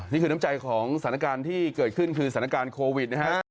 นี่คือน้ำใจของสถานการณ์ที่เกิดขึ้นคือสถานการณ์โควิดนะฮะ